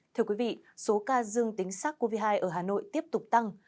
thưa quý vị số ca dương tính sát covid một mươi chín ở hà nội tiếp tục tăng